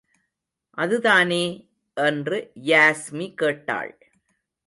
அதுதானே! என்று யாஸ்மி கேட்டாள்.